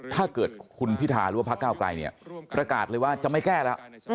ถ้าเกิดคุณพิธาหรือว่าพระเก้าไกลเนี่ยประกาศเลยว่าจะไม่แก้แล้ว